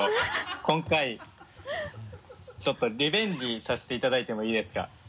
今回ちょっとリベンジさせていただいてもいいですか？